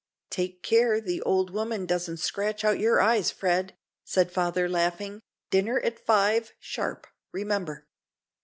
"Take care the old woman doesn't scratch out your eyes, Fred," said the father, laughing. "Dinner at five sharp, remember."